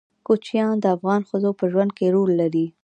کوچیان د افغان ښځو په ژوند کې رول لري.